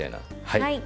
はい。